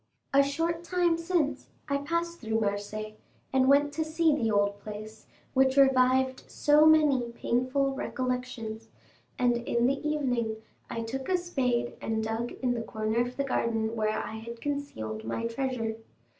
A short time since I passed through Marseilles, and went to see the old place, which revived so many painful recollections; and in the evening I took a spade and dug in the corner of the garden where I had concealed my treasure.